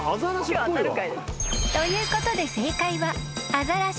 ［ということで正解は］